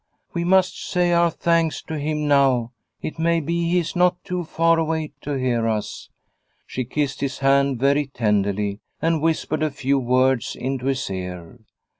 " We must say our thanks to him now, it may be he is not too far away to hear us." She kissed his hand very tenderly and whispered a few words into his ear.